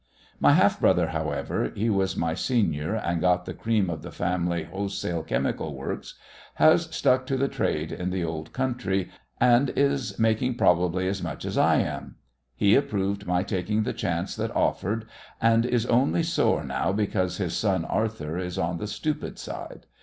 My half brother, however he was my senior and got the cream of the family wholesale chemical works has stuck to the trade in the Old Country, and is making probably as much as I am. He approved my taking the chance that offered, and is only sore now because his son, Arthur, is on the stupid side.